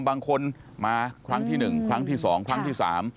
บางคนมาครั้งที่๑ครั้งที่สองครั้งที่๓